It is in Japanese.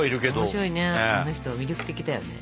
面白いねあの人魅力的だよね。